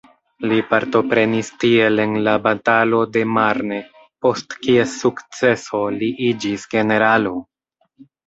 Li partoprenis tiel en la batalo de Marne, post kies sukceso, li iĝis generalo.